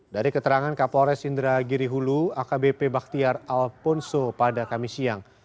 dari keterangan kapolres indra girihulu akbp baktiar alpunso pada kami siang